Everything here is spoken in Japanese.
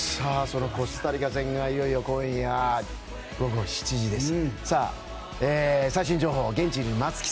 そのコスタリカ戦がいよいよ今夜午後７時です。